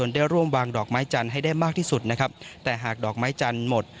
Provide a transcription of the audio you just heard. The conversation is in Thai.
ได้ร่วมวางดอกไม้จันทร์ให้ได้มากที่สุดนะครับแต่หากดอกไม้จันทร์หมด